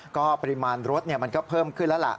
ก็ปริมาณรถมันก็เพิ่มขึ้นแล้วล่ะ